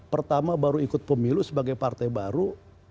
pertama baru ikut pemilu sebagai partai baru